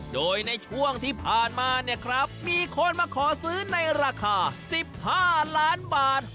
โดยในช่วงที่ผ่านมาเนี่ยครับมีคนมาขอซื้อในราคา๑๕ล้านบาท